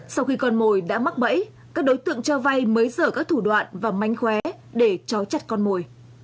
sau khi con mồi đã mắc bẫy các đối tượng cho vay mới dở các thủ đoạn và mánh khóe để chó chặt con mồi